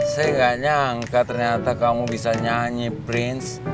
saya nggak nyangka ternyata kamu bisa nyanyi prince